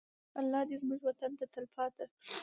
الله دې زموږ وطن ته تلپاته.